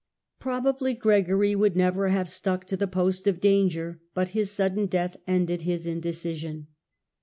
Probably Gregory would never have stuck to the post of danger, but his sudden death ended his indecision.